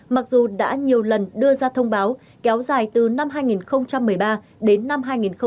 mặc dù đã nhiều lần đưa ra thông báo kéo dài từ năm hai nghìn một mươi ba đến năm hai nghìn một mươi tám